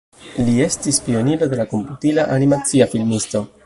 Li estis pioniro de la komputila animacia filmisto.